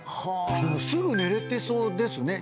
でもすぐ寝れてそうですね。